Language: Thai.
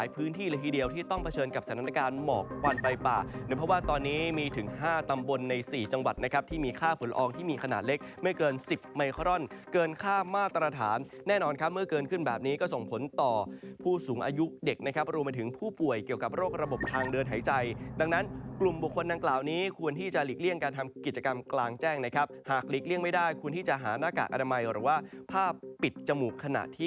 พื้นที่ละทีเดียวที่ต้องเผชิญกับสถานการณ์หมอกควันไฟป่าเพราะว่าตอนนี้มีถึง๕ตำบลใน๔จังหวัดนะครับที่มีค่าฝนอองที่มีขนาดเล็กไม่เกิน๑๐ไมโครนเกินค่ามาตรฐานแน่นอนครับเมื่อเกินขึ้นแบบนี้ก็ส่งผลต่อผู้สูงอายุเด็กนะครับรวมไปถึงผู้ป่วยเกี่ยวกับโรคระบบทางเดินหายใจดังนั้น